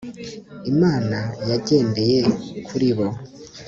imana yagendeye kuri bo